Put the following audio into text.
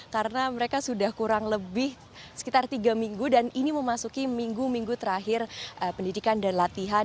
karena mereka sudah kurang lebih sekitar tiga minggu dan ini memasuki minggu minggu terakhir pendidikan dan latihan